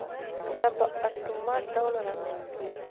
دا په اتومات ډول رامنځته کېږي.